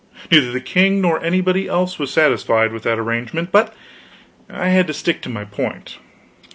Neither the king nor anybody else was satisfied with that arrangement, but I had to stick to my point.